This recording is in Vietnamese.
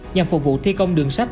nhằm phục vụ thi công đường sắt